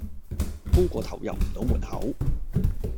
高過頭入唔到門口